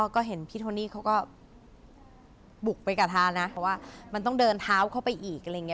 ก็เห็นพี่โทนี่เขาก็บุกไปกับทานนะเพราะว่ามันต้องเดินเท้าเข้าไปอีกอะไรอย่างนี้